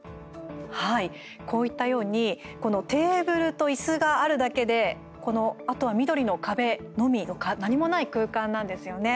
はい、こういったようにテーブルといすがあるだけであとは緑の壁のみ何もない空間なんですよね。